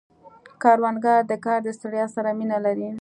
کروندګر د کار د ستړیا سره مینه لري